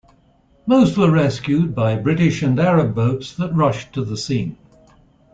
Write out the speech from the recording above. Most were rescued by British and Arab boats that rushed to the scene.